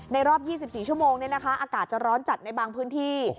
รอบ๒๔ชั่วโมงอากาศจะร้อนจัดในบางพื้นที่